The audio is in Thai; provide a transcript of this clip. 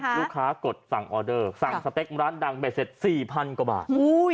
ลูกค้ากดสั่งออเดอร์สั่งสเต็กร้านดังเบ็ดเสร็จ๔๐๐กว่าบาท